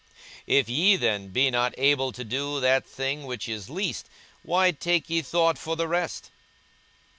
42:012:026 If ye then be not able to do that thing which is least, why take ye thought for the rest?